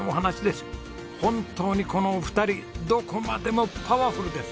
本当にこのお二人どこまでもパワフルです！